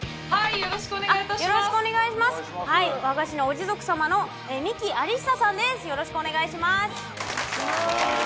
よろしくお願いします